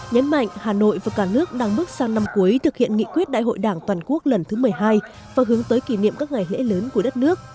nhấn mạnh hà nội và cả nước đang bước sang năm cuối thực hiện nghị quyết đại hội đảng toàn quốc lần thứ một mươi hai và hướng tới kỷ niệm các ngày lễ lớn của đất nước